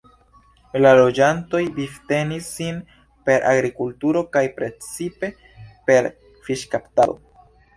La loĝantoj vivtenis sin per agrikulturo kaj precipe per fiŝkaptado.